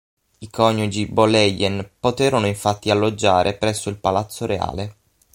I coniugi Boleyn poterono infatti alloggiare presso il palazzo reale.